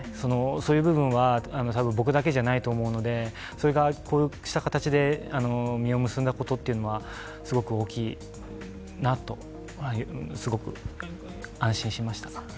そういう部分はたぶん僕だけじゃないと思うので、それがこうした形で実を結んだことというのはすごく大きいなと、すごく安心しました。